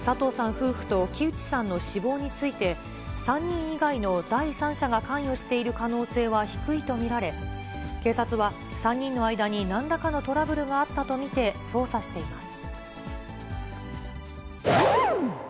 夫婦と木内さんの死亡について、３人以外の第三者が関与している可能性は低いと見られ、警察は３人の間になんらかのトラブルがあったと見て捜査しています。